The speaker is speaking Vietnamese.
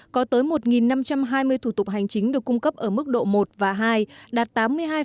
có tới một năm trăm hai mươi thủ tục hành chính được cung cấp ở mức độ một và hai đạt tám mươi hai bảy mươi chín